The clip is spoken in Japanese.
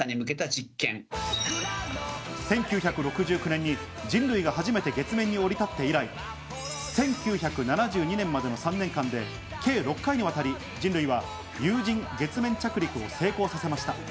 １９６９年に人類が初めて月面に降り立って以来、１９７２年までの３年間で計６回にわたり人類は有人月面着陸を成功させました。